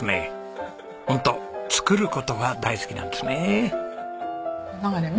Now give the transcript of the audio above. ホント作る事が大好きなんですね。